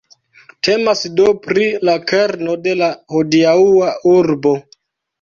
Temas do pri la kerno de la hodiaŭa urbo.